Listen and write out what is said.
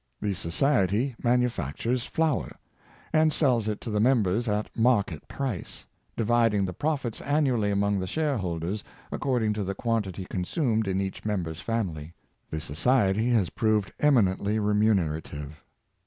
The society manufactures flour, and sells it to the members at market price, dividing the profits annually among the share holders, according to 428 Equitable Pioneers. the quantity consumed in each member's family. The society has proved eminently remunerative.